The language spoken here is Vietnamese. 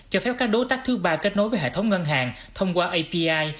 cho phép các đối tác thứ ba kết nối với hệ thống ngân hàng thông qua api